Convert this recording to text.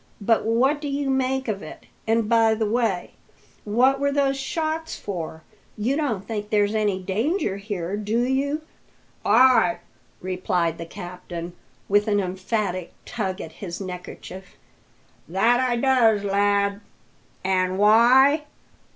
But what do you make of it? and, by the way, what were those shots for? You don't think there's any danger here, do you?" "Ay," replied the captain, with an emphatic tug at his neckerchief, "that I does, lad! An' why?